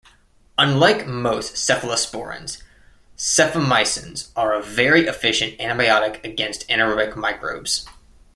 Unlike most cephalosporins, cephamycins are a very efficient antibiotic against anaerobic microbes.